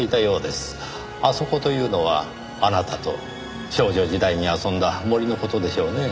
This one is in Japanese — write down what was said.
あそこというのはあなたと少女時代に遊んだ森の事でしょうねぇ。